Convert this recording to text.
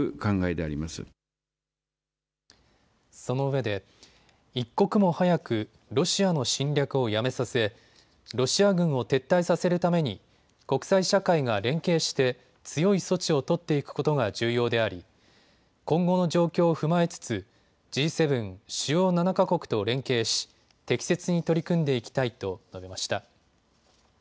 そのうえで一刻も早くロシアの侵略をやめさせロシア軍を撤退させるために国際社会が連携して強い措置を取っていくことが重要であり今後の状況を踏まえつつＧ７・主要７か国と連携し適切に取り組んでいきたいと述べました。